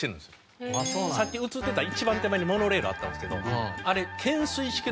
さっき映ってた一番手前にモノレールあったんですけどあれ。